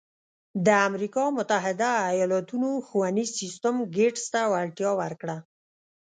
د امریکا متحده ایالتونو ښوونیز سیستم ګېټس ته وړتیا ورکړه.